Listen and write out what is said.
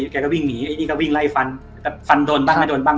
แกก็วิ่งหนีไอ้นี่ก็วิ่งไล่ฟันแต่ฟันโดนบ้างไม่โดนบ้าง